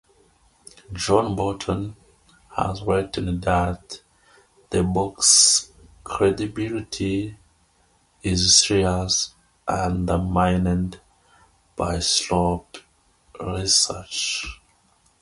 John Burton has written that the book's "credibility is seriously undermined by sloppy research".